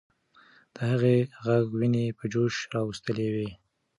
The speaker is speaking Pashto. د هغې ږغ ويني په جوش راوستلې وې.